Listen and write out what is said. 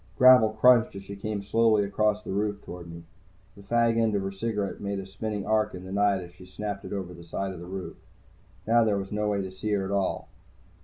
Gravel crunched as she came slowly across the roof toward me. The fag end of her cigarette made a spinning arc in the night as she snapped it over the side of the roof. Now there was no way to see her at all.